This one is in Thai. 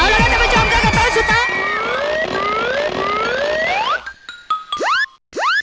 เอาละค่ะเดี๋ยวไปจิ้มค่ะกระโปรดสุดท้าย